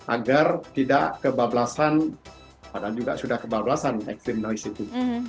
agar tidak kebablasan padahal juga sudah kebablasan ekstrimnois itu